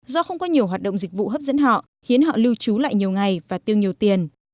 do không có nhiều hoạt động dịch vụ hấp dẫn họ khiến họ lưu trú lại nhiều ngày và tiêu nhiều tiền